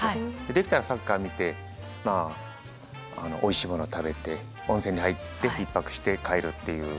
できたらサッカー見てまあおいしいもの食べて温泉に入って１泊して帰るっていう。